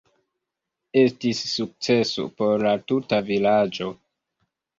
Estis sukceso por la tuta vilaĝo.